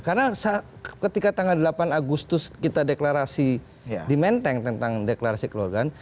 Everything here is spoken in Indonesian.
karena ketika tanggal delapan agustus kita deklarasi di menteng tentang deklarasi keluarga